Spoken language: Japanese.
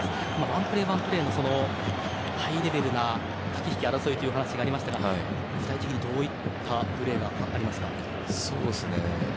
ワンプレー、ワンプレーのハイレベルな駆け引き、争いというお話がありましたが具体的にどういったプレーがありますか？